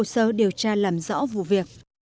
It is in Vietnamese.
cố hồ sơ điều tra làm rõ vụ việc